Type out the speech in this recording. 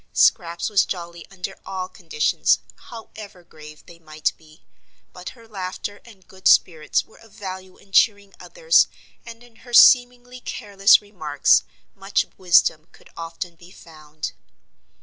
Scraps was jolly under all conditions, however grave they might be, but her laughter and good spirits were of value in cheering others and in her seemingly careless remarks much wisdom could often be found.